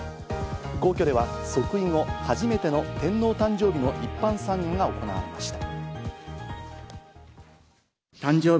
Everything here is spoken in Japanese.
皇居では即位後、初めての天皇誕生日の一般参賀が行われました。